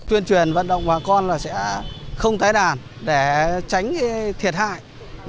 chuyên truyền vận động bà con là sẽ không tái đàn để tránh cái thiệt hại